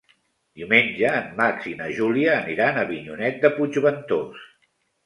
Diumenge en Max i na Júlia aniran a Avinyonet de Puigventós.